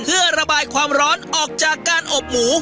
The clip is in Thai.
เพื่อระบายความร้อนออกจากการอบหมู